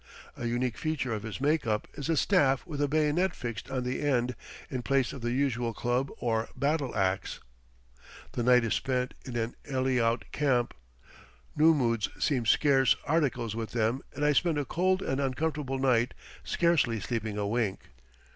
A unique feature of his makeup is a staff with a bayonet fixed on the end, in place of the usual club or battle axe. The night is spent in an Eliaute camp; nummuds seem scarce articles with them, and I spend a cold and uncomfortable night, scarcely sleeping a wink.